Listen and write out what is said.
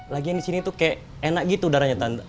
lagian disini tuh kayak enak gitu udaranya tan